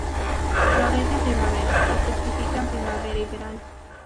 Florece en primavera y fructifica en primavera y verano.